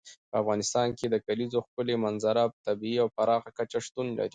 په افغانستان کې د کلیزو ښکلې منظره په طبیعي او پراخه کچه شتون لري.